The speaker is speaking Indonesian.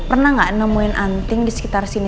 pernah gak nemuin anting disekitar sini